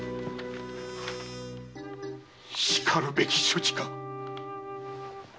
しかるべき処置か。